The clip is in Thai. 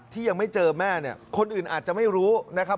ที่ยังไม่เจอแม่คนอื่นอาจจะไม่รู้นะครับ